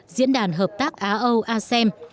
diễn đàn hợp tác á âu asean